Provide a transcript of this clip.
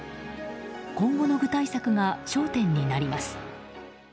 今後の具体策が焦点になります。